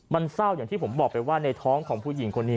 มันเศร้าอย่างที่ผมบอกไปว่าในท้องของผู้หญิงคนนี้